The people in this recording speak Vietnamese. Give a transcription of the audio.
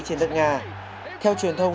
trên đất nga theo truyền thông